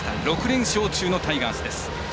６連勝中のタイガースです。